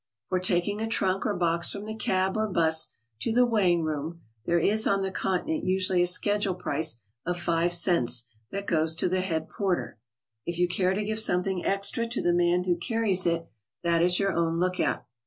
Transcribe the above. For taking a trunk or box from the cab or bus to the weighing room, there is on the Continent usually a schedule price of five cents that goes to the head porter; if you care to give something extra to the man who carries it, that is your own lookout.